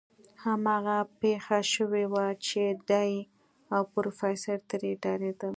هماغه پېښه شوې وه چې دی او پروفيسر ترې ډارېدل.